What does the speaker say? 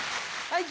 はい。